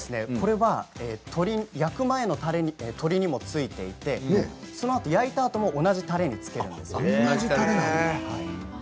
これは焼く前の鶏にもついていて焼いたあとも同じたれにつけるんです。